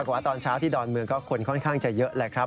ว่าตอนเช้าที่ดอนเมืองก็คนค่อนข้างจะเยอะแหละครับ